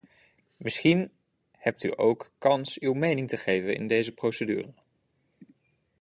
Misschien hebt u ook de kans uw mening te geven in deze procedure.